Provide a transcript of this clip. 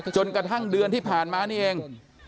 จนกระทั่งเดือนที่ผ่านมานี่เอง